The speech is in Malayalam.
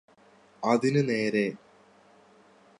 അതിന് നേരെ